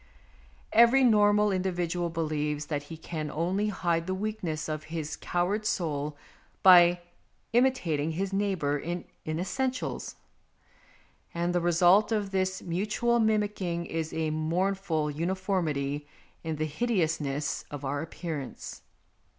Every normal individual believes that he can only hide the weakness of his coward soul by imitating his neighbour in inessentials ; and the result of this mutual mimicking is a mournful uniformity in the hideousness of our appearance.